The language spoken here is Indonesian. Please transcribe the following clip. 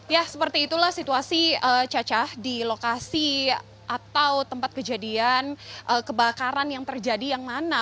ya seperti itulah situasi caca di lokasi atau tempat kejadian kebakaran yang terjadi yang mana